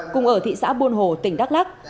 cùng ở thị xã buôn hồ tỉnh đắk lắc